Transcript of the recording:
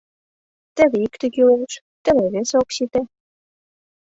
Теве икте кӱлеш, теве весе ок сите.